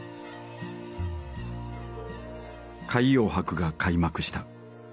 海洋博が開幕した。